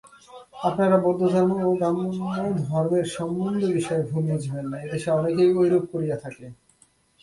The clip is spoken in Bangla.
আপনারা বৌদ্ধধর্ম ও ব্রাহ্মণ্যধর্মের সম্বন্ধ-বিষয়ে ভুল বুঝিবেন না, এদেশে অনেকেই ঐরূপ করিয়া থাকে।